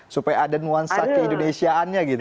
supaya ada nuansa ke indonesiaannya gitu